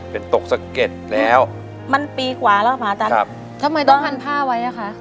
เป็นตกสะเก็ดแล้วมันปีกว่าแล้วค่ะอาจารย์ครับทำไมต้องหันผ้าไว้อ่ะคะ